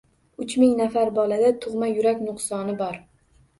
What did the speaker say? Uch ming nafar bolada tugʻma yurak nuqsoni bor